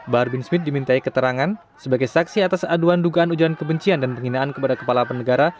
bahar bin smith dimintai keterangan sebagai saksi atas aduan dugaan ujaran kebencian dan penghinaan kepada kepala penegara